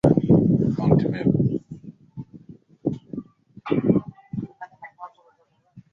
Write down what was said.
Nchi hiyo imepambana kuwa nchi yenye uchumi imara